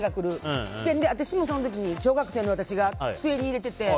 私もその時、小学生の私が机に入れてて。